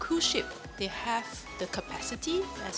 kedudukan kapal mereka memiliki kemampuan